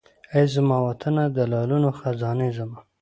اې زما وطنه د لالونو خزانې زما